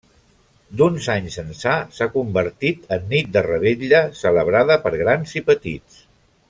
D'uns anys ençà s'ha convertit en nit de revetlla celebrada per grans i petits.